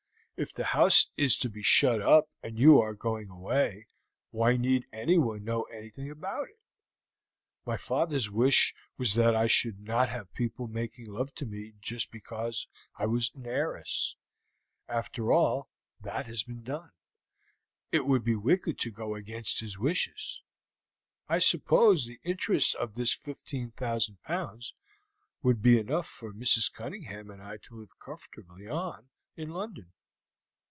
If the house is to be shut up and you are going away, why need anyone know anything about it? My father's wish was that I should not have people making love to me just because I was an heiress; after all that has been done, it would be wicked to go against his wishes. I suppose the interest of this 15,000 pounds would be enough for Mrs. Cunningham and I to live comfortably on in London?"